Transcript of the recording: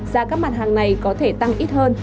giá các mặt hàng này có thể tăng ít hơn